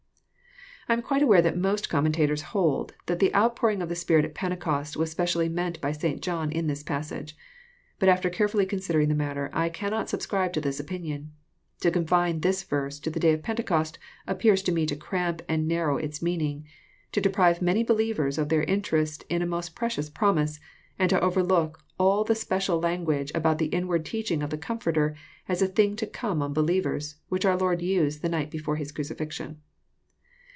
I am quite aware that most commentators hold, that the out pouring of the Spirit at Pentecost was specially meant by St. John in this passage. But after earefViUy considering the matter, I cannot subscribe to this opinion. To confine this verse to the day of Pentecost appears to me to cramp and nar row its meaning, — to deprive many believers of their interest in a most precious promise, — and to overlook all the special language about the inward teaching of the Comforter as a thing to come on believers, which oqr Lord used the night before His emcifixion.